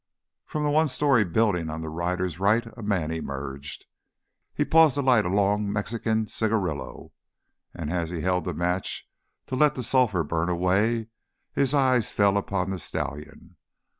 From the one story building on the rider's right a man emerged. He paused to light a long Mexican cigarillo, and as he held the match to let the sulfur burn away, his eyes fell upon the stallion.